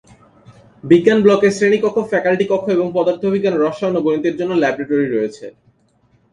বিজ্ঞান ব্লকে শ্রেণীকক্ষ, ফ্যাকাল্টি কক্ষ এবং পদার্থবিজ্ঞান, রসায়ন ও গণিতের জন্য ল্যাবরেটরি রয়েছে।